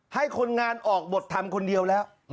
ให้คนงานออกบททำคนเดียวแล้ว